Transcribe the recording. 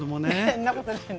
そんなことない。